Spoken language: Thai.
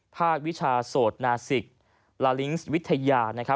วิชาโสดนาศิกลาลิงส์วิทยา